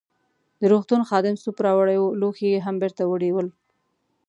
د روغتون خادم سوپ راوړی وو، لوښي يې هم بیرته وړي ول.